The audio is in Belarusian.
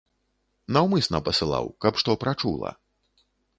Наўмысна пасылаў, каб што прачула.